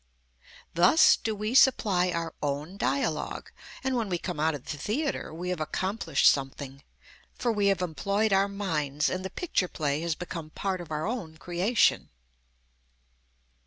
Thus do we supply our own dia logue, and when we come out of the theatre we have accomplished something, for we have em ployed our minds and the picture play has be come part of our own creation.